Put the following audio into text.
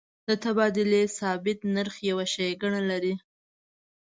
د تبادلې ثابت نرخ یو ښیګڼه لري.